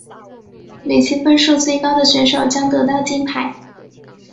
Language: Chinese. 累积分数最高的选手将得到金牌。